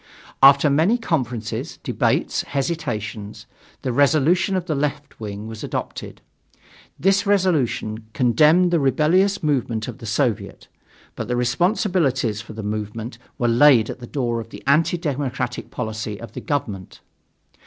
After many conferences, debates, hesitations, the resolution of the "left" wing was adopted. This resolution condemned the rebellious movement of the Soviet, but the responsibilities for the movement were laid at the door of the anti democratic policy of the government.